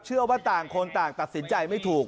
ว่าต่างคนต่างตัดสินใจไม่ถูก